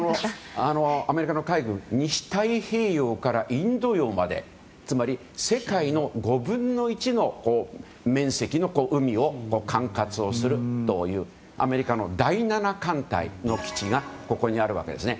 アメリカの海軍西太平洋からインド洋までつまり世界の５分の１の面積の海を管轄をするというアメリカの第７艦隊の基地がここにあるわけです。